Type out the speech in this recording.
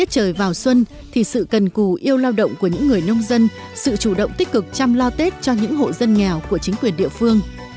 đã làm cho mùa xuân trở thành thịnh vượng